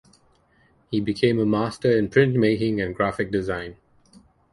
He became a master in printmaking and graphic design.